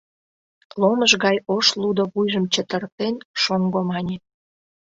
Ломыж гай ош-лудо вуйжым чытырыктен, шоҥго мане.